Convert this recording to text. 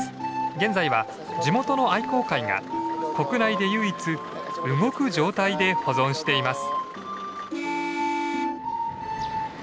現在は地元の愛好会が国内で唯一動く状態で保存しています。